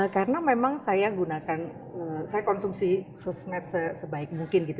karena memang saya konsumsi sosmed sebaik mungkin